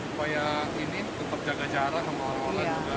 supaya ini tetap jaga jarak sama orang orang juga